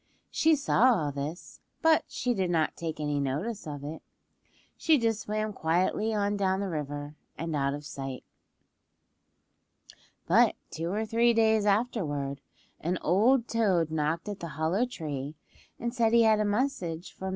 She saw all this, but she did not take any notice of it. She just swam quietly on down the river and out of sight. But two or three days afterward an old toad knocked at the hollow tree and said he had a message for Mrs. Duck.